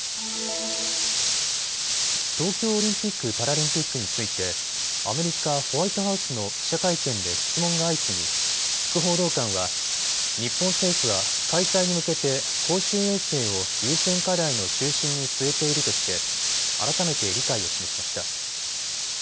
東京オリンピック・パラリンピックについてアメリカ、ホワイトハウスの記者会見で質問が相次ぎ副報道官は日本政府は開催に向けて公衆衛生を優先課題の中心に据えているとして改めて理解を示しました。